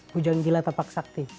pujang gila tapak sakti